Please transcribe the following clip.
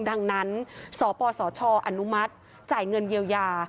ดังนั้นสปสชอนุมัติจ่ายเงินเยียวยา